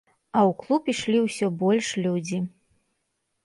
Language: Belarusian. А ў клуб ішлі ўсё больш людзі.